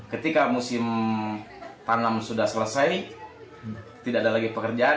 ketika musim tanam sudah selesai tidak ada lagi pekerjaan